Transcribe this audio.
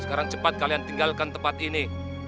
sekarang cepat kalian tinggalkan tempat ini